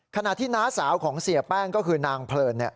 ขณะที่น้าสาวของเสียแป้งก็คือนางเพลิน